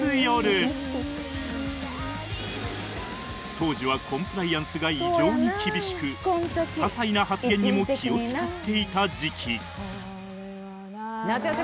当時はコンプライアンスが異常に厳しく些細な発言にも気を使っていた時期